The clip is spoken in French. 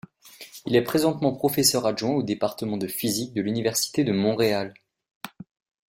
Il est présentement professeur adjoint au département de physique de l'université de Montréal.